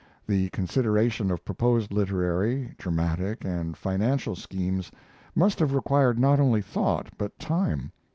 The consideration of proposed literary, dramatic, and financial schemes must have required not only thought, but time.